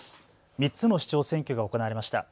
３つの市長選挙が行われました。